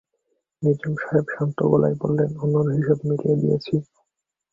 নিজাম সাহেব শান্ত গলায় বললেন, অন্যের হিসাব মিলিয়ে দিয়েছি।